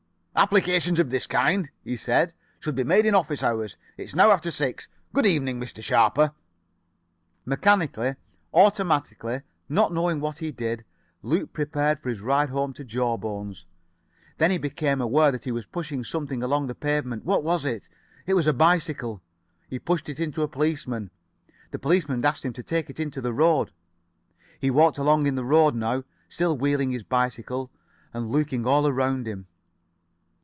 "Applications of this kind," he said, "should be made in office hours. It is now after six. Good evening, Mr. Sharper." Mechanically, automatically, not knowing what he did, Luke prepared for his ride home to Jawbones. Then he became aware that he was pushing something along on the pavement. What was it? It was a bicycle. He pushed it into a policeman. The policeman asked him to take it into the road. He walked along in the road now, still wheeling his bicycle, and looking all around him.